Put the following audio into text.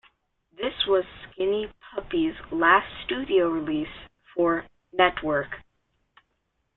This was Skinny Puppy's last studio release for Nettwerk.